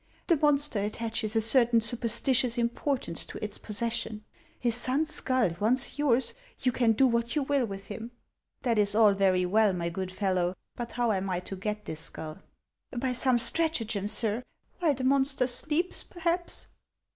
The monster attaches a certain superstitious importance to its pos session. His son's skull once yours, you can do what you will with him." " That is all very well, my good fellow ; but how am I to get this skull ?"" liy some stratagem, sir. While the monster sleeps, perhaps."